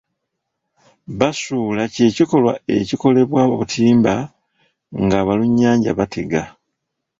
Basuula ky’ekikolwa ekikolebwa obutimba nga abalunnyanja batega.